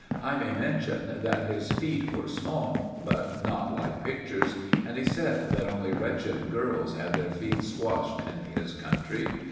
I may mention that his feet were small, but not like pictures, and he said that only wretched girls had their feet squashed in his country.